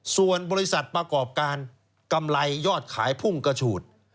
ส่วนบริษัทประกอบการกำไรยอดขายพุ่งกระฉูด